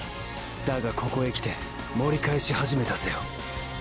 だがここへきて盛り返しはじめたぜよ。